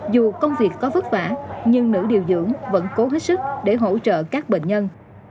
dù công việc có vất vả nhưng nữ điều dưỡng vẫn cố hết sức để hỗ trợ các bệnh nhân